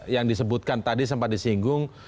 yang disebutkan tadi sempat disinggung